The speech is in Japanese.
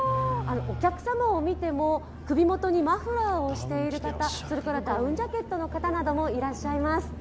お客様を見ても、首元にマフラーをしている方それからダウンジャケットの方などもいらっしゃいます。